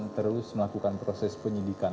terus melakukan proses penyidikan